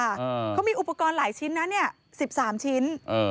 เขามีอุปกรณ์หลายชิ้นนะเนี่ย๑๓ชิ้น